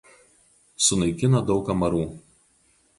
Sunaikina daug amarų.